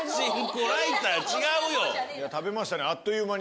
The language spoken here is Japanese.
食べましたねあっという間に。